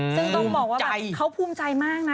ซึ่งต้องบอกว่าแบบเขาภูมิใจมากนะ